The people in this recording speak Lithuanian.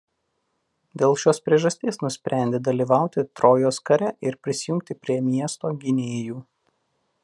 Dėl šios priežasties nusprendė dalyvauti Trojos kare ir prisijungti prie miesto gynėjų.